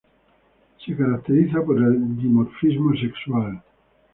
Se caracteriza por el dimorfismo sexual.